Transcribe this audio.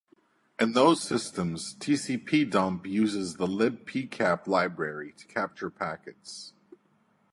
In those systems, tcpdump uses the libpcap library to capture packets.